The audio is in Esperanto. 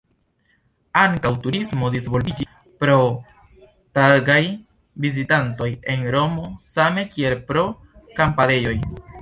Ankaŭ turismo disvolviĝis, pro tagaj vizitantoj el Romo same kiel pro kampadejoj.